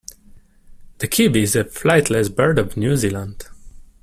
The kiwi is a flightless bird of New Zealand.